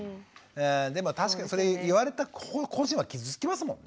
でも確かにそれ言われた個人は傷つきますもんね。